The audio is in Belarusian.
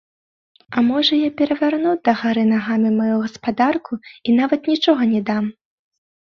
А можа, я перавярну дагары нагамі маю гаспадарку і нават нічога не дам?